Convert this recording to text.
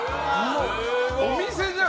お店じゃん。